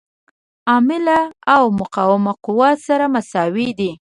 عامله او مقاومه قوه سره مساوي دي.